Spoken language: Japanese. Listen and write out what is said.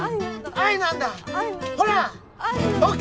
愛なんだ！